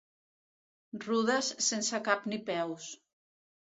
Rudes sense cap ni peus.